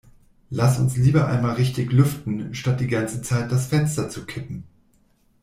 Lass uns lieber einmal richtig lüften, statt die ganze Zeit das Fenster zu kippen!